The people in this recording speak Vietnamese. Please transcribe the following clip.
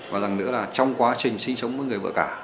và rằng nữa là trong quá trình sinh sống với người vợ cả